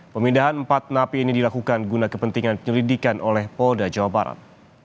pemindahan empat napi ini dilakukan guna kepentingan penyelidikan oleh polda jawa barat